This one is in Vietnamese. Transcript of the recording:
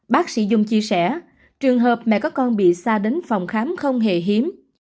bác sĩ dung chia sẻ trường hợp mẹ có con bị xa đến phòng khám không hề hiếm